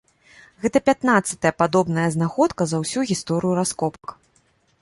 Гэта пятнаццатая падобная знаходка за ўсю гісторыю раскопак.